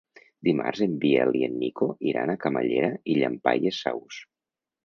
Dimarts en Biel i en Nico iran a Camallera i Llampaies Saus.